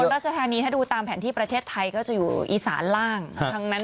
มีทรษฐานีถ้าดูตามแผ่นที่ไทยก็จะอยู่อีตราล่าง